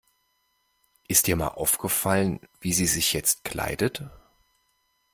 Ist dir mal aufgefallen, wie sie sich jetzt kleidet?